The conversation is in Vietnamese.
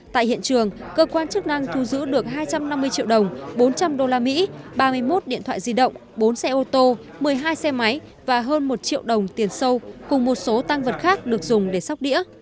tại hiện trường cơ quan chức năng thu giữ được hai trăm năm mươi triệu đồng bốn trăm linh usd ba mươi một điện thoại di động bốn xe ô tô một mươi hai xe máy và hơn một triệu đồng tiền sâu cùng một số tăng vật khác được dùng để sóc đĩa